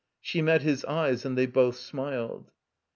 She met his eyes and they both smiled.